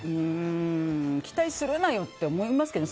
期待するなよって思いますけど。